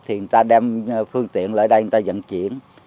thì người ta đem phương tiện lại đây người ta dẫn chuyển